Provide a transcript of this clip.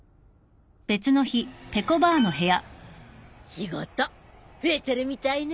仕事増えてるみたいね。